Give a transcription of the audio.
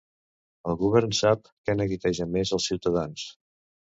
El govern sap què neguiteja més els ciutadans.